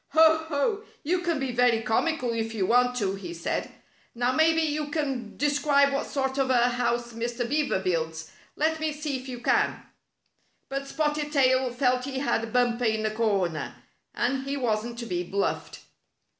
"Ho! Ho! You can be very comical if you want to!" he said. "Now maybe you can de scribe what sort of a house Mr. Beaver builds. Let me see if you can." But Spotted Tail felt he had Bumper in a corner, and he wasn't to be bluffed.